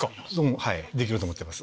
はいできると思ってます。